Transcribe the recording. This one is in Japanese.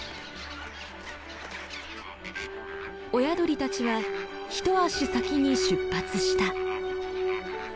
親鳥たちは一足先に出発した。